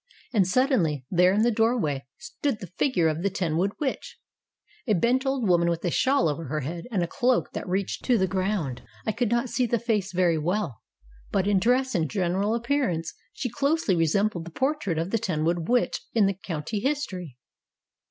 And suddenly there in the doorway stood the figure of the Tenwood Witch a bent old woman with a shawl over her head and a cloak that reached to the ground. I could not see the face very well, but in dress and general appearance she closely resembled the portrait of the Tenwood Witch in the county history."